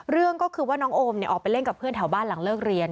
เรื่องก็คือว่าน้องโอมออกไปเล่นกับเพื่อนแถวบ้านหลังเลิกเรียน